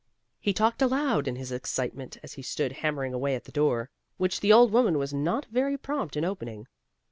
He talked aloud in his excitement, as he stood hammering away at the door, which the old woman was not very prompt in opening.